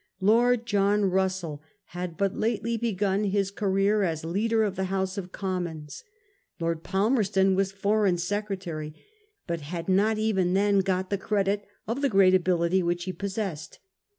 Lord John Russell had but lately begun his career as leader of the House of Commons. Lord Palmerston was Foreign Secretary, but had not even then got the credit of the great ability which he possessed.